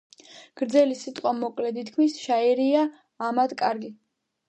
გრძელი სიტყვა მოკლედ ითქმის, შაირია ამად კარგი.